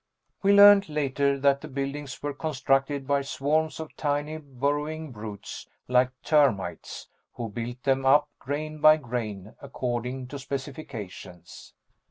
We learned later that the buildings were constructed by swarms of tiny burrowing brutes like termites, who built them up grain by grain according to specifications.